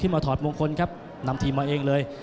มาถอดมงคลครับนำทีมมาเองเลย